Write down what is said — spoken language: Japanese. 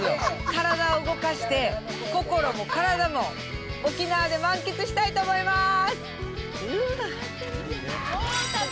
体を動かして、心も体も沖縄で満喫したいと思いまーす！